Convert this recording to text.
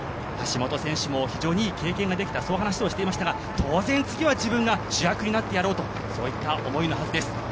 橋本選手も非常にいい経験ができたと話をしていましたが当然、次は自分が主役になってやろうという思いのはずです。